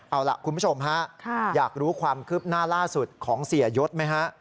เอาล่ะคุณผู้ชมฮะอยากรู้ความคืบหน้าล่าสุดของเสียยศไหมฮะ